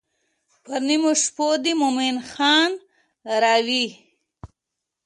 پر نیمو شپو دې مومن خان راوی.